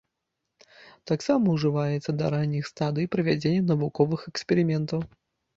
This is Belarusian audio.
Таксама ўжываецца да ранніх стадый правядзення навуковых эксперыментаў.